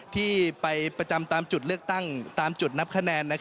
ที่ไปประจำตามจุดเลือกตั้งตามจุดนับคะแนน